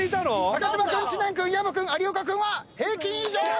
中島君知念君薮君有岡君は平均以上！